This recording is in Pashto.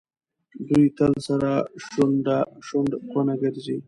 دوی تل سره شونډکونه ګرځي.